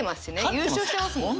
優勝してますもんね。